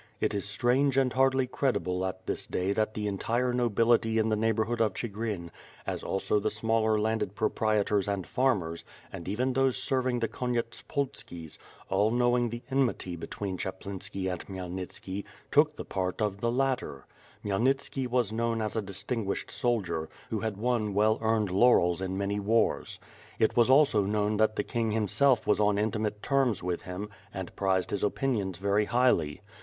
It is strange and hardly credible at this day that the entire nobility in the neighborhood of Chigrin, as also the smaller landed proprietors and farmers, and even those serving the Konyetspolskis, all knowing the enmity between Chaplinski and Khmyelnitski, took the part of the latter. Khmyelnitski was known as a distinguished soldier, who had won well earned laurels in many wars. It was also known that the King himself was on intimate terms with him and prized his opin ions very highly.